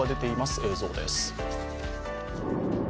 映像です。